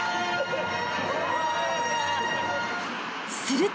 ［すると］